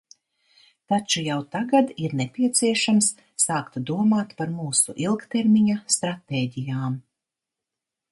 Taču jau tagad ir nepieciešams sākt domāt par mūsu ilgtermiņa stratēģijām.